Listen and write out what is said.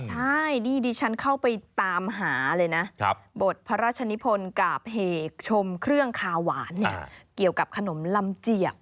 จนชุดเรียนบริปาราชนิพนธ์และพระเฮกชมข้างานอายุความทำขนมข้าวหวานเกี่ยวกับขนมลำเจียก